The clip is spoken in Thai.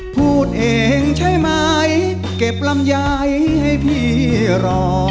พูดเองใช่ไหมเก็บลำไยให้พี่รอ